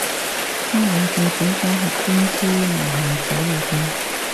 得老細畀咗盒公司樓下酒樓嘅